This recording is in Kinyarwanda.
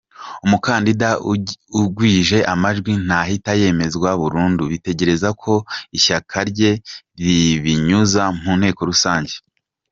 Umukandida ugwije amajwi ntahita yemezwa burundu, bitegereza ko ishyaka rye ribinyuza mu nteko rusange.